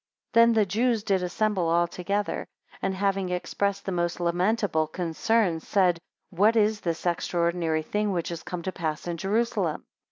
27 Then the Jews did assemble all together, and having expressed the most lamentable concern said, What is this extraordinary thing which is come to pass in Jerusalem?